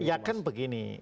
ya kan begini